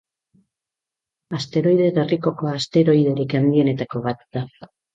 Asteroide gerrikoko asteroiderik handienetako bat da.